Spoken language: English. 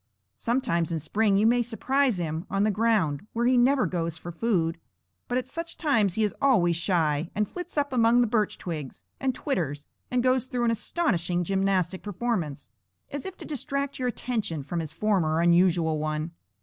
Sometimes in spring you may surprise him on the ground, where he never goes for food; but at such times he is always shy, and flits up among the birch twigs, and twitters, and goes through an astonishing gymnastic performance, as if to distract your attention from his former unusual one.